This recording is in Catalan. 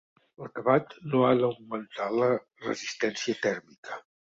L'acabat no ha d'augmentar la resistència tèrmica.